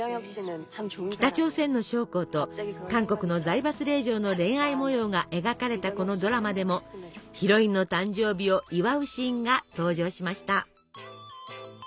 北朝鮮の将校と韓国の財閥令嬢の恋愛模様が描かれたこのドラマでもヒロインの誕生日を祝うシーンが登場しました。